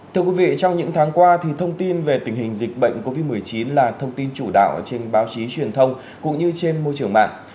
thưa quý vị trong những tháng qua thông tin về tình hình dịch bệnh covid một mươi chín là thông tin chủ đạo trên báo chí truyền thông cũng như trên môi trường mạng